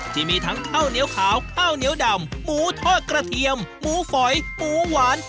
ที่มีทั้งข้าวเหนียวขาวข้าวเหนียวดำหมูทอดกระเทียมหมูฝอยหมูหวาน